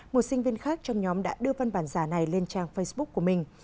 một sinh viên khác trong nhóm đã đưa văn bản giả này lên trang facebook của mình